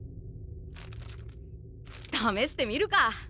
ためしてみるか！